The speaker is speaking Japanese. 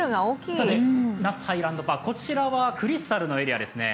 那須ハイランドパーク、こちらはクリスタルのエリアですね。